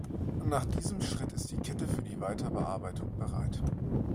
Nach diesem Schritt ist die Kette für die Weiterbearbeitung bereit.